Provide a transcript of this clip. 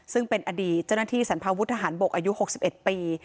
ซึ่งเป็นอดีตเจ้าหน้าที่สรรพาวุฒหารบกอายุ๖๑ปี